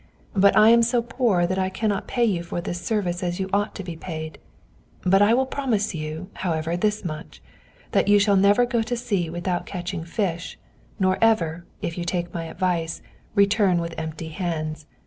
But I am so poor that I cannot pay you for this service as you ought to be paid. I will promise you, however, this much: that you shall never go to sea without catching fish, nor ever, if you will take my advice, return with empty hands.